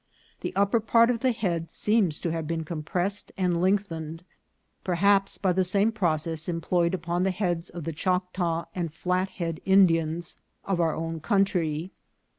The upper part of the head seems to have been compressed and lengthened, perhaps by the same pro cess employed upon the heads of the Choctaw and Flat head Indians of our own country.